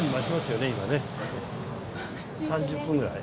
３０分ぐらい？